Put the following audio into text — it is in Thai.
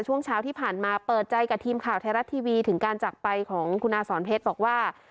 ช่วงเช้าที่ผ่านมาเปิดใจกับทีมข่าวไทยรัฐทีวีถึงการจักรไปของคุณอาสอนเพชรบอกว่า